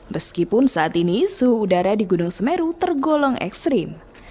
meskipun saat ini suhu udara di gunung semeru tergolong ekstrim